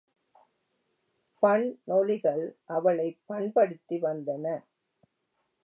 பண்ணொலிகள் அவளைப் பண்படுத்தி வந்தன.